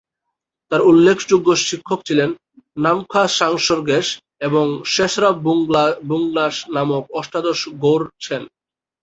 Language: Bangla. তার উল্লেখযোগ্য শিক্ষক ছিলেন নাম-ম্খা'-সাংস-র্গ্যাস এবং শেস-রাব-'ব্যুং-গ্নাস নামক অষ্টাদশ ঙ্গোর-ছেন।